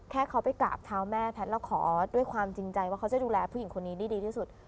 แค่เขาไปกราบเท้าแม่แพทย์แล้วขอด้วยความจริงใจว่าเขาจะดูแลผู้หญิงคนนี้ได้ดีที่สุด